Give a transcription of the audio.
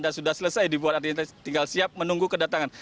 dan sudah selesai dibuat tinggal siap menunggu kedatangan